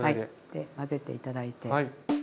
で混ぜて頂いて。